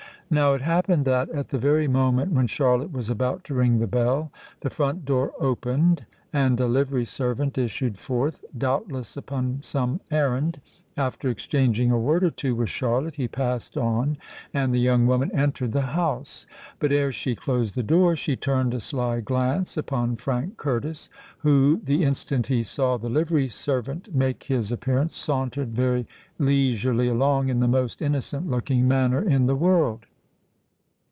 Now it happened that at the very moment when Charlotte was about to ring the bell, the front door opened, and a livery servant issued forth, doubtless upon some errand. After exchanging a word or two with Charlotte, he passed on, and the young woman entered the house. But ere she closed the door she turned a sly glance upon Frank Curtis, who, the instant he saw the livery servant make his appearance, sauntered very leisurely along in the most innocent looking manner in the world.